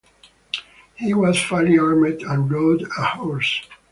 He was fully armed and rode a horse.